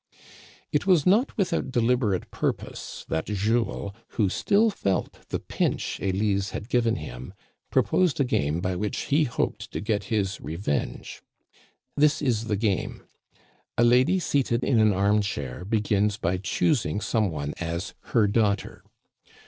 It was not without deliberate purpose that Jules, who still felt the pinch Elise had given him, proposed a game by which he hoped to get his revenge. This is the game : A lady seated in an arm chair begins by choosing some one as her daughter.